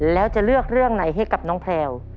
แล้วจะเลือกเรื่องไหนให้กับน้องแพลว